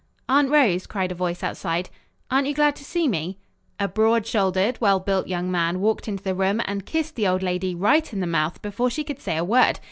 "Aunt Rose," cried a voice outside, "aren't you glad to see me?" A broad shouldered, well built young man walked into the room and kissed the old lady right in the mouth, before she could say a word.